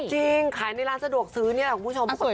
จริงขายในร้านสะดวกซื้อเนี่ยคุณผู้ชมปกติเลย